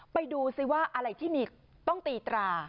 ไปดูซิว่าอะไรที่มีต้องตีตรา